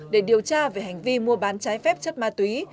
để điều tra về hành vi mua bán trái phép chất ma túy